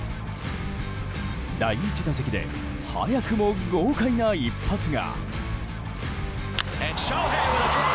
第１打席で早くも豪快な一発が。